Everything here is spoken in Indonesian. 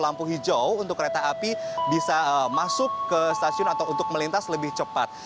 lampu hijau untuk kereta api bisa masuk ke stasiun atau untuk melintas lebih cepat